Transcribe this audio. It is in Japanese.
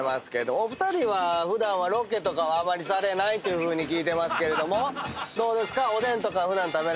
お二人は普段はロケとかはあまりされないというふうに聞いてますけれどもどうですか？